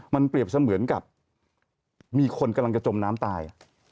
มันเปรียบเสมือนกับมีคนกำลังจะจมน้ำตาย